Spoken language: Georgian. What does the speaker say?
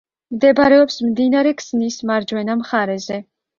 მდებარეობს მდინარე ქსნის მარჯვენა მხარეზე.